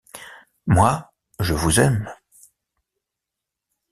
Moi, je vous aime.